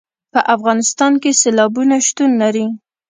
په افغانستان کې سیلابونه شتون لري.